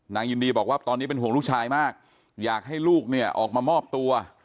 ยินดีบอกว่าตอนนี้เป็นห่วงลูกชายมากอยากให้ลูกเนี่ยออกมามอบตัว